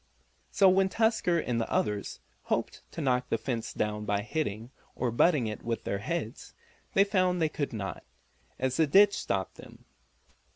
So when Tusker and the others hoped to knock the fence down by hitting, or butting, it with their heads, they found they could not, as the ditch stopped them.